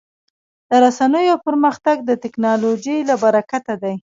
د رسنیو پرمختګ د ټکنالوژۍ له برکته دی.